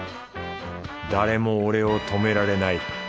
誰も俺を止められない。